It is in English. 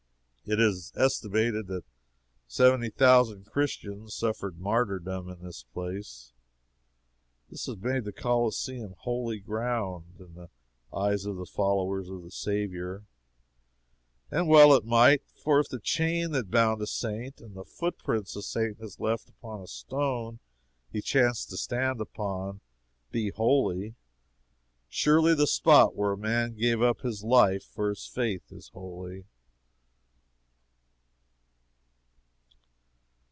It is estimated that seventy thousand Christians suffered martyrdom in this place. This has made the Coliseum holy ground, in the eyes of the followers of the Saviour. And well it might; for if the chain that bound a saint, and the footprints a saint has left upon a stone he chanced to stand upon, be holy, surely the spot where a man gave up his life for his faith is holy.